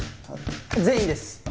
全員です。